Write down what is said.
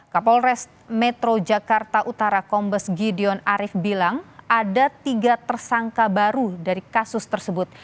kapolres metro jakarta utara kombes gideon arief bilang ada tiga tersangka baru dari kasus tersebut